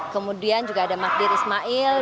kemudian juga ada magdir ismail